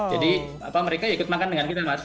jadi apa mereka ikut makan dengan kita mas